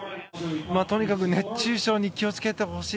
とにかく熱中症に気を付けてほしい。